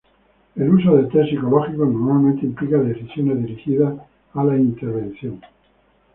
El uso de tests psicológicos normalmente implica decisiones dirigidas a la intervención.